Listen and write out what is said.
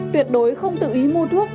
tuyệt đối không tự ý mua thuốc